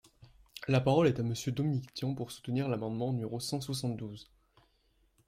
La parole est à Monsieur Dominique Tian, pour soutenir l’amendement numéro cent soixante-douze.